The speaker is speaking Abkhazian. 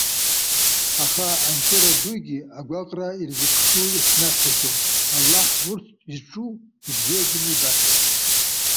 Аха анҵыра дугьы агәаҟра ирзыԥшу иацәнахьчаӡом. Аллаҳ урҭ зҿқәоу ибзиаӡаны ибарҭоуп.